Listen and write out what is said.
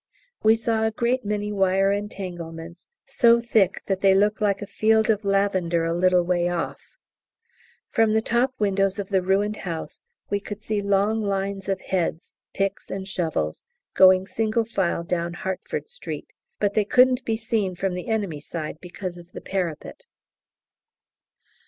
We saw a great many wire entanglements, so thick that they look like a field of lavender a little way off. From the top windows of the ruined house we could see long lines of heads, picks and shovels, going single file down "Hertford Street," but they couldn't be seen from the enemy side because of the parapet.